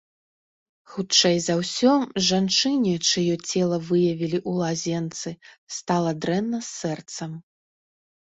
Хутчэй за ўсё, жанчыне, чыё цела выявілі ў лазенцы, стала дрэнна з сэрцам.